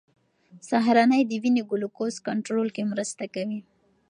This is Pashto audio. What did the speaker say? سهارنۍ د وینې ګلوکوز کنټرول کې مرسته کوي.